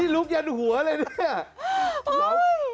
ลุกยันหัวเลยเนี่ย